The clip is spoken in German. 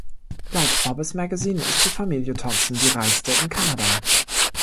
Laut Forbes Magazine ist die Familie Thomson die reichste in Kanada.